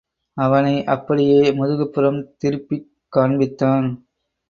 அவனை அப்படியே முதுகுப்புறம் திருப்பிக் காண்பித்தான்.